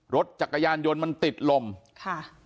รถจักรยานยนต์มันติดลมค่ะ